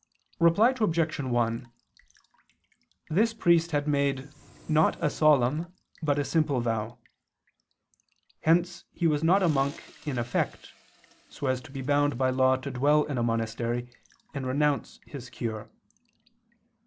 Reply Obj. 1: This priest had made, not a solemn, but a simple vow. Hence he was not a monk in effect, so as to be bound by law to dwell in a monastery and renounce his cure.